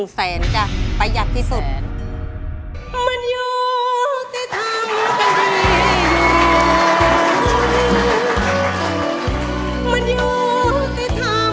๑แสนจ้ะประหยัดที่สุด